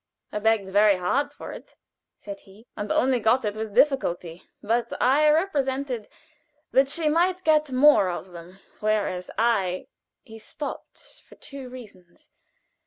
"I begged very hard for it," said he, "and only got it with difficulty, but I represented that she might get more of them, whereas I " He stopped, for two reasons.